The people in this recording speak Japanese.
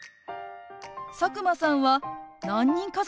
佐久間さんは何人家族なの？